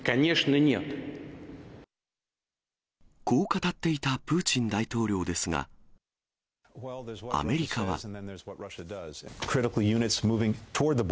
こう語っていたプーチン大統領ですが、アメリカは。